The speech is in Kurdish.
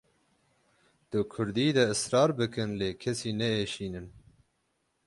Di Kurdî de israr bikin lê kesî neêşînin.